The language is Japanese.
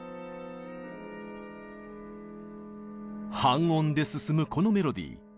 半音で進むこのメロディー。